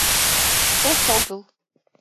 Эсогыл